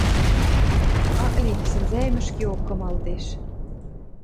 Ак ли, сӹнзӓэм ӹшкеок кымалтеш.